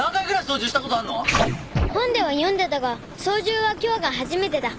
本では読んでたが操縦は今日が初めてだ。